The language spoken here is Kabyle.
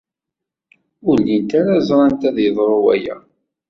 Ur llint ara ẓrant ad yeḍru waya.